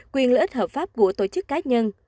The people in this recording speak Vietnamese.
quyền lợi ích hợp pháp của tổ chức cá nhân